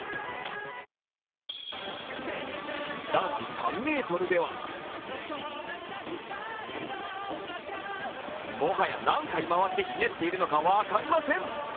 男子３ｍではもはや何回、回って、ひねっているのか分かりません。